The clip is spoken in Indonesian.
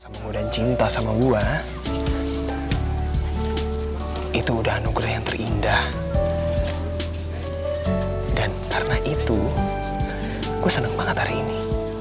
sama dan cinta sama gua itu udah anugerah yang terindah dan karena itu gue senang banget hari ini